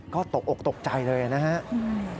ก็ตกอกตกใจเลยนะครับ